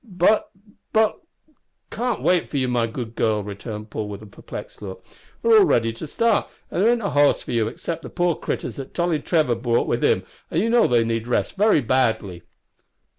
"But but we can't wait for you, my good girl," returned Paul, with a perplexed look; "we're all ready to start, an' there ain't a hoss for you except the poor critters that Tolly Trevor brought wi' him, an', you know, they need rest very badly."